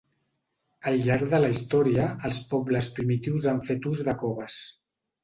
Al llarg de la història, els pobles primitius han fet ús de coves.